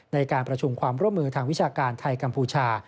ในการประชุมความร่วมมือทางวิชาการไทยกัมพูชา